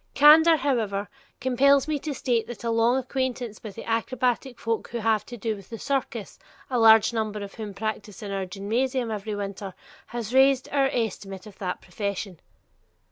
Candor, however, compels me to state that a long acquaintance with the acrobatic folk who have to do with the circus, a large number of whom practice in our gymnasium every winter, has raised our estimate of that profession.